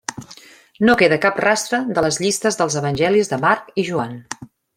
No queda cap rastre de les llistes dels Evangelis de Marc i Joan.